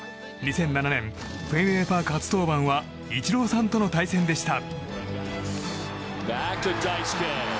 ２００７年フェンウェイ・パーク初登板はイチローさんとの対戦でした。